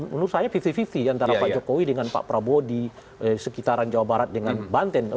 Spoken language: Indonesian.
menurut saya lima puluh lima puluh antara pak jokowi dengan pak prabowo di sekitaran jawa barat dengan banten